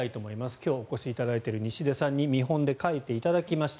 今日お越しいただいている西出さんに見本で書いていただきました。